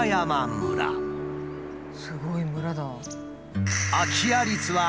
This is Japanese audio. すごい村だ。